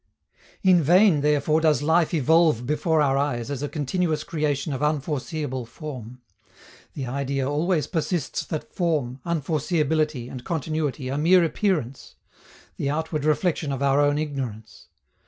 In vain, therefore, does life evolve before our eyes as a continuous creation of unforeseeable form: the idea always persists that form, unforeseeability and continuity are mere appearance the outward reflection of our own ignorance.